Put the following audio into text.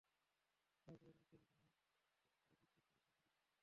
আগ্রহীরা একটি বিষয়কে প্রধান করে মোট তিনটি বিষয়ে আবেদন করতে পারবেন।